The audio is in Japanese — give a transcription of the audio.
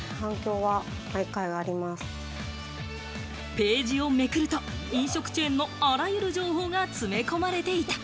ページをめくると、飲食チェーンのあらゆる情報が詰め込まれていた。